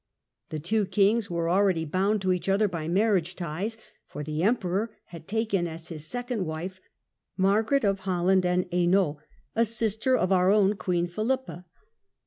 The two Kings were already bound to each other b}' marriage ties, for the Emperor had taken as his second wife Margaret of Holland and Hainault, a sister of our own Queen Philippa.